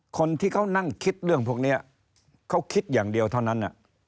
คนที่เขานั่งคิดเรื่องพวกนี้เขาคิดอย่างเดียวเท่านั้น